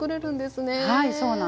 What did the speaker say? はいそうなんです。